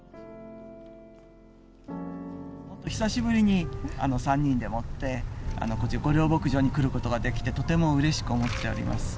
ほんと、久しぶりに３人でもって、御料牧場に来ることができて、とてもうれしく思っております。